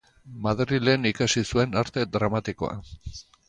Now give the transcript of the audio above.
Madrilen ikasi zuen Arte Dramatikoa.